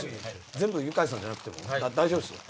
全部ユカイさんじゃなくても大丈夫ですよね。